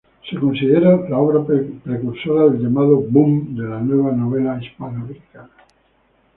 Se considera la obra precursora del llamado "boom" de la nueva novela hispanoamericana.